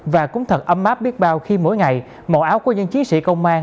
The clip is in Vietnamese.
và cũng thật ấm áp biết bao khi mỗi ngày mẫu áo của nhân chiến sĩ công an